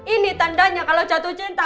ini tandanya kalau jatuh cinta